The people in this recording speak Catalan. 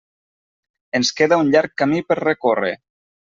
Ens queda un llarg camí per recórrer.